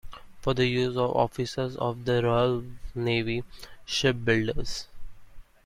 For the use of Officers of the Royal Navy, Shipbuilders.